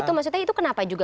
itu maksudnya itu kenapa juga